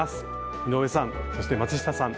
井上さんそして松下さん